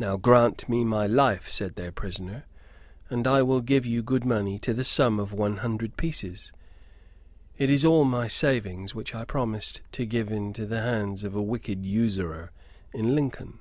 "Now grant me my life," said their prisoner, "and I will give you good money to the sum of one hundred pieces. It is all my savings, which I promised to give into the hands of a wicked usurer in Lincoln."